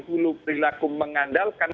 hulu perilaku mengandalkan